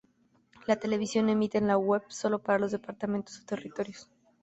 La televisión emite en la web solo para los departamentos o territorios.